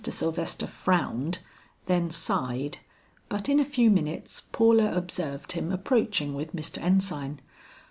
Sylvester frowned, then sighed, but in a few minutes Paula observed him approaching with Mr. Ensign.